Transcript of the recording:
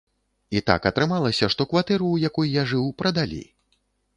І так атрымалася, што кватэру, у якой я жыў, прадалі.